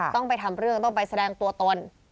ต้องไปทำเรื่องต้องไปแสดงตัวตน